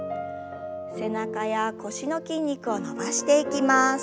背中や腰の筋肉を伸ばしていきます。